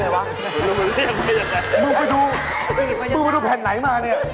มึงไม่รู้แผนไหนมานี่